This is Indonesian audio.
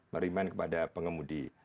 merimain kepada pengemudi